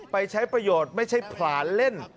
ใช้ประโยชน์ไม่ใช่ผลานเล่น